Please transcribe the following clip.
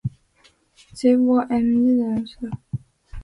They were aimed at the castle and the northern and western suburbs of Sarajevo.